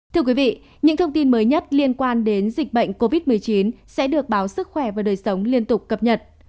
thưa quý vị những thông tin mới nhất liên quan đến dịch bệnh covid một mươi chín sẽ được báo sức khỏe và đời sống liên tục cập nhật